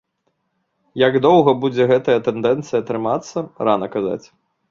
Як доўга будзе гэтая тэндэнцыя трымацца, рана казаць.